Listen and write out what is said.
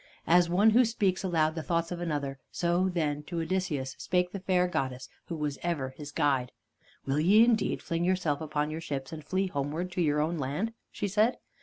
As one who speaks aloud the thoughts of another, so then to Odysseus spake the fair goddess who was ever his guide. "Will ye indeed fling yourselves upon your ships and flee homeward to your own land?" she said.